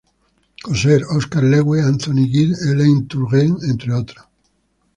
Coser, Oscar Lewis, Anthony Giddens, Alain Touraine, entre otros.